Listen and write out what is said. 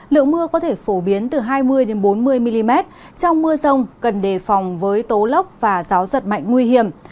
lượng mưa có thể phổ biến từ hai mươi bốn mươi mm trong mưa rông cần đề phòng với tố lốc và gió giật mạnh nguy hiểm